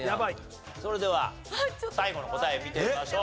それでは最後の答え見てみましょう。